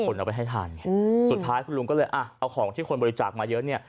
เอาไปให้ทันสุดท้ายคุณลุงก็เลยอ่ะเอาของที่คนบริจาคมาเยอะเนี่ย